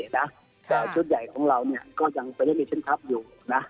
แต่ชุดใหญ่ของเราก็ยังไม่ได้มีเซ็นคลับอยู่นะ